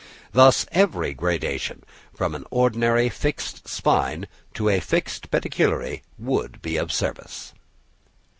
Thus every gradation, from an ordinary fixed spine to a fixed pedicellariæ, would be of service.